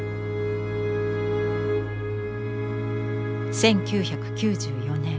１９９４年。